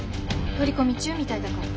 取り込み中みたいだから。